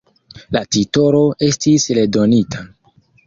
La titolo estis redonita.